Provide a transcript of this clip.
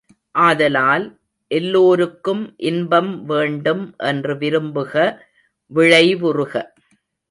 ஆதலால், எல்லோருக்கும் இன்பம் வேண்டும் என்று விரும்புக, விழைவுறுக!